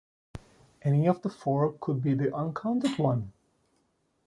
Any of the four could be the uncounted one.